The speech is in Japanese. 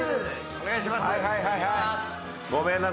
お願いします。